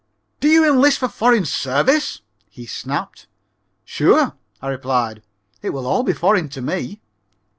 "Do you enlist for foreign service?" he snapped. "Sure," I replied. "It will all be foreign to me."